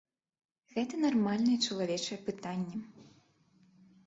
Гэта нармальнае чалавечае пытанне.